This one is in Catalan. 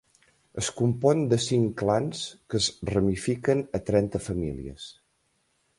Es compon de cinc clans que es ramifiquen a trenta famílies.